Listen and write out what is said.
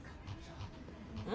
うん？